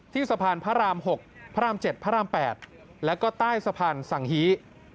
สะพานพระราม๖พระราม๗พระราม๘แล้วก็ใต้สะพานสังฮี